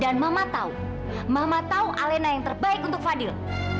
dan mama tahu mama tahu alena yang terbaik untuk fadil